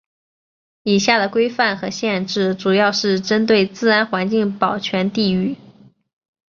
以下的规范和限制主要是针对自然环境保全地域。